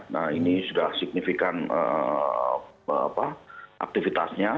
nah ini sudah signifikan aktivitasnya